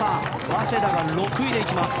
早稲田が６位で行きます。